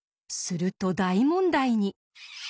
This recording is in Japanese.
すると大問題に！